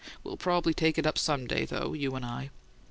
We'll probably take it up some day, though, you and I."